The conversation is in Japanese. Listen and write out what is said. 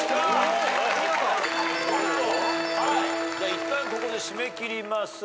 いったんここで締め切ります。